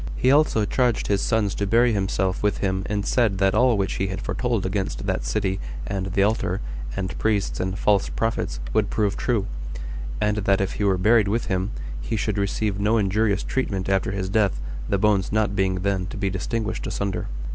He also charged his sons to bury himself with him and said that all which he had foretold against that city, and the altar, and priests, and false prophets, would prove true; and that if he were buried with him, he should receive no injurious treatment after his death, the bones not being then to be distinguished asunder.